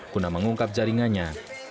guna mengungkap jaringannya